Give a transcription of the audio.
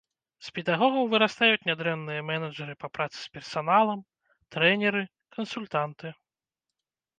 З педагогаў вырастаюць нядрэнныя мэнэджары па працы з персаналам, трэнеры, кансультанты.